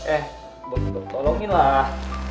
eh bud tolongin lah